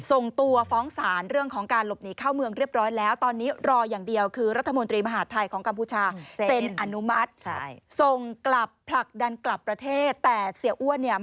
ส่งตัวฟ้องศาลเรื่องของการหลบหนีเข้าเมืองเรียบร้อยแล้ว